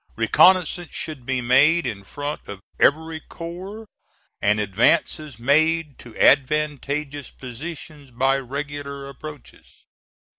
Reconnoissances should be made in front of every corps and advances made to advantageous positions by regular approaches.